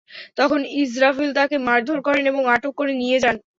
তখন ইসরাফিল তাঁকে মারধর করেন এবং আটক করে নিয়ে যেতে চান।